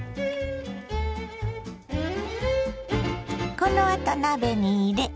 このあと鍋に入れ